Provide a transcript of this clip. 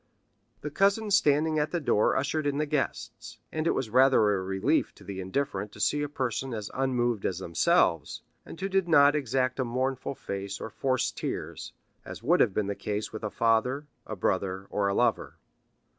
The cousin standing at the door ushered in the guests, and it was rather a relief to the indifferent to see a person as unmoved as themselves, and who did not exact a mournful face or force tears, as would have been the case with a father, a brother, or a lover.